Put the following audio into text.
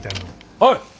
おい！